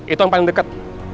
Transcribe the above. itu yang paling dekat